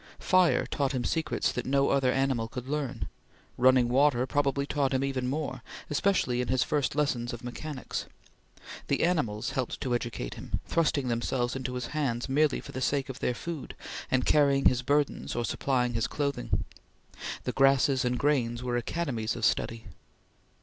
Fire taught him secrets that no other animal could learn; running water probably taught him even more, especially in his first lessons of mechanics; the animals helped to educate him, trusting themselves into his hands merely for the sake of their food, and carrying his burdens or supplying his clothing; the grasses and grains were academies of study.